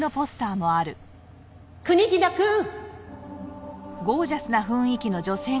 国木田くん！